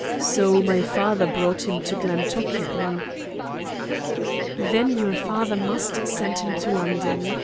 So my father brought him to Glen Tochan." "Then your father must send him to London.